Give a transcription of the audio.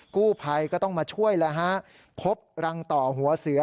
กู้ไพก็ต้องมาช่วยครบรังต่อหัวเสือ